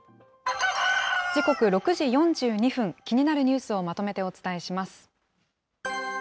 時刻６時４２分、気になるニュースをまとめてお伝えします。